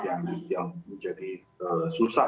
yang menjadi susah